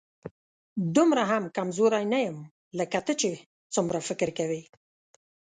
دومره هم کمزوری نه یم، لکه ته چې څومره فکر کوې